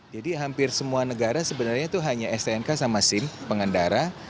jadi hampir semua negara sebenarnya itu hanya stnk sama sim pengendara